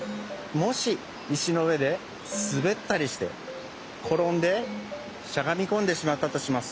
もしいしのうえですべったりしてころんでしゃがみこんでしまったとします。